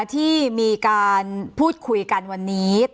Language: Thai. ที่มีการพูดคุยกันวันนี้